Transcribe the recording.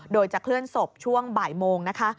โดยจะเคลื่อนศพช่วงบ่ายโมงนะคะ